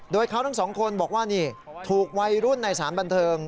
โดยเขาทั้งสองคนบอกว่านี่ถูกวัยรุ่นในสารบันเทิง